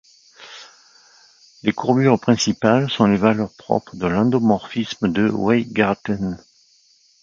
Les courbures principales sont les valeurs propres de l'endomorphisme de Weingarten.